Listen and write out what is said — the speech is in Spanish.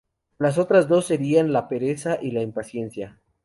Las otras dos serían la pereza y la impaciencia.